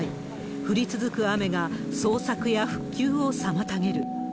降り続く雨が捜索や復旧を妨げる。